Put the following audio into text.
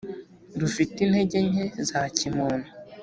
rufite intege nke za kimuntu